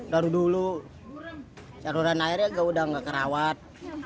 dulu dulu jaluran airnya udah gak kerawat